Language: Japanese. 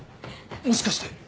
もしかして。